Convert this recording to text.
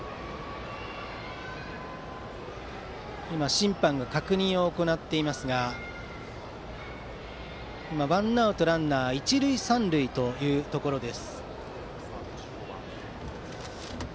審判が確認を行っていますがワンアウトでランナー一塁三塁というところですが。